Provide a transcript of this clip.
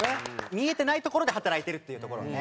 見えてないところで働いてるっていうところがね。